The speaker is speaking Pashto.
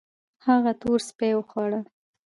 هغه تور سپي وخواړه